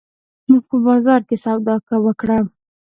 مونږه په بازار کښې سودا وکړه